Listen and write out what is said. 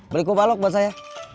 beli kubalok buat saya